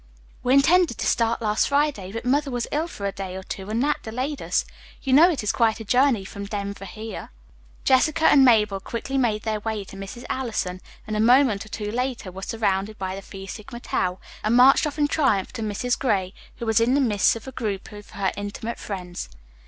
"We intended to start last Friday, but mother was ill for a day or two, and that delayed us. You know it is quite a journey from Denver here." Jessica and Mabel quickly made their way to Mrs. Allison, and a moment or two later were surrounded by the Phi Sigma Tau, and marched off in triumph to Mrs. Gray, who was in the midst of a group of her intimate friends.